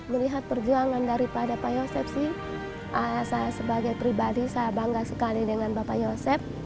melihat perjuangan daripada pak yosep sih saya sebagai pribadi saya bangga sekali dengan bapak yosep